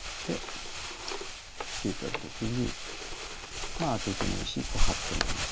出た時にまあアテてもいいしハッてもいいし。